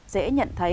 dễ nhận thấy